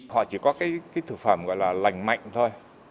họ chỉ có cái thực phẩm gọi là lành mạnh thôi